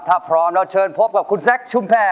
ถ้าพร้อมเชิญพบกับคุณแซคชุมแผ่